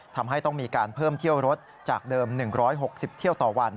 ทำให้ต้องมีการเพิ่มเที่ยวรถจากเดิม๑๖๐เที่ยวต่อวัน